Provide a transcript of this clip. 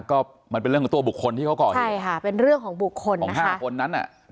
ก็มันเป็นเรื่องของตัวบุคคลที่เขาก่อเหตุใช่ค่ะเป็นเรื่องของบุคคลนะคะห้าคนนั้นน่ะ